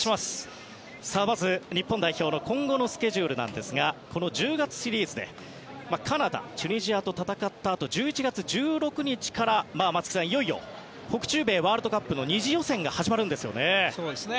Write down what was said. まず、日本代表の今後のスケジュールですがこの１０月シリーズでカナダ、チュニジアと戦ったあと１１月１６日から、松木さんいよいよ北中米ワールドカップの２次予選が始まるんですよね。